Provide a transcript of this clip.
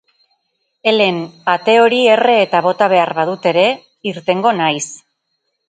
Ellen, ate hori erre eta bota behar badut ere, irtengo naiz.